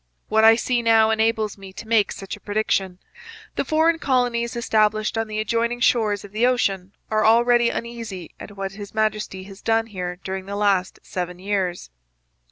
What I see now enables me to make such a prediction. The foreign colonies established on the adjoining shores of the ocean are already uneasy at what His Majesty has done here during the last seven years.'